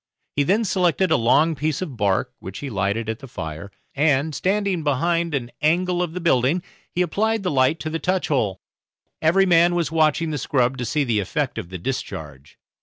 He then selected a long piece of bark, which he lighted at the fire, and, standing behind an angle of the building, he applied the light to the touch hole. Every man was watching the scrub to see the effect of the discharge.